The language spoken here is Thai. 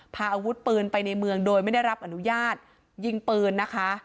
พาอาวุธปืนไปในเมืองโดยไม่ได้รับอนุญาตยิงปืนนะคะ